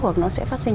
hoặc nó sẽ phát sinh